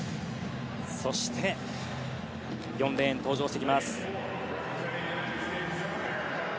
そして、４レーン登場してきます。